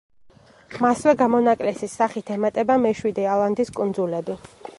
მასვე გამონაკლისის სახით ემატება მეშვიდე, ალანდის კუნძულები.